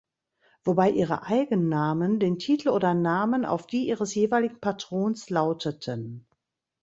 Wobei ihre Eigennamen den Titel oder Namen auf die ihres jeweiligen Patrons lauteten.